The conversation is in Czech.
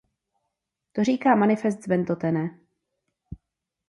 To říká Manifest z Ventotene.